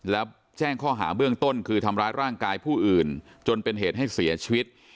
แล้วแจ้งข้อหาเบื้องต้นคือทำร้ายร่างกายผู้อื่นจนเป็นเหตุให้เสียชีวิต